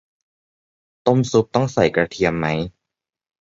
ต้มซุปต้องใส่กระเทียมไหม